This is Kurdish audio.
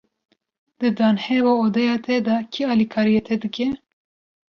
Di danheva odeya te de, kî alîkariya te dike?